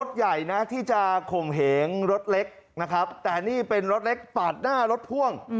รถใหญ่นะที่จะข่มเหงรถเล็กนะครับแต่นี่เป็นรถเล็กปาดหน้ารถพ่วง